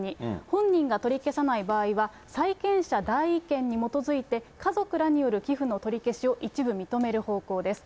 本人が取り消さない場合は、債権者代位権に基づいて家族らによる寄付の取り消しを一部認める方向です。